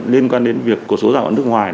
liên quan đến việc của số giao quản nước ngoài